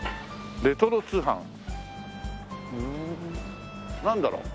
「レトロ通販」なんだろう？